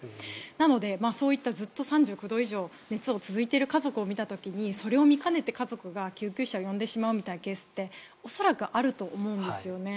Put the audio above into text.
なので、そういったずっと３９度以上の熱が続いている家族を見た時にそれを見かねて家族が救急車を呼んでしまうケースって恐らくあると思うんですよね。